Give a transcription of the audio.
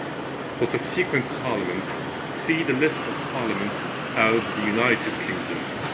For subsequent Parliaments, see the list of Parliaments of the United Kingdom.